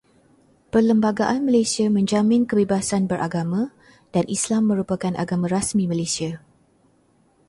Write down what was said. Perlembagaan Malaysia menjamin kebebasan beragama, dan Islam merupakan agama rasmi Malaysia.